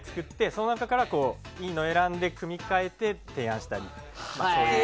その中から、いいのを選んで組み替えてえー！